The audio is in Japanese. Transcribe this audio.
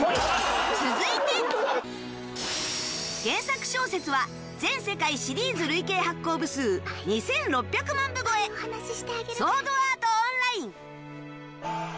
原作小説は全世界シリーズ累計発行部数２６００万部超え『ソードアート・オンライン』